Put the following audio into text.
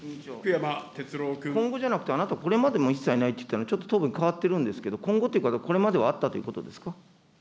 今後じゃなくて、あなたこれまでも一切ないって言ってたのに、ちょっと答弁変わってるんですけど、今後っていうか、これまではあったということです